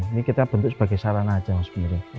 ini kita bentuk sebagai sarana aja mas bire